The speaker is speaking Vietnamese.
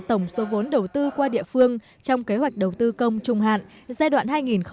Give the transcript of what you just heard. tổng số vốn đầu tư qua địa phương trong kế hoạch đầu tư công trung hạn giai đoạn hai nghìn một mươi sáu hai nghìn hai mươi